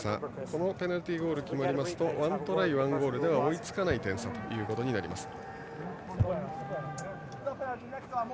このペナルティーゴールが決まりますと１トライ１ゴールでは追いつかない点差です。